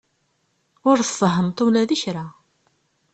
Ur tfehhmeḍ ula d kra.